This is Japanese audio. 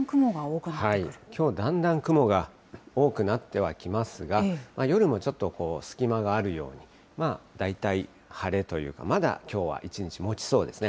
きょう、だんだん雲が多くなってはきますが、夜もちょっと、隙間があるように、大体晴れというか、まだきょうは一日持ちそうですね。